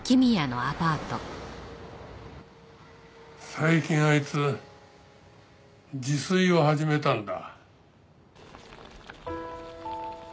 最近あいつ自炊を始めたんだ。